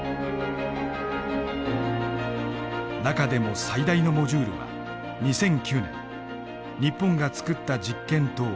中でも最大のモジュールは２００９年日本が造った実験棟「きぼう」。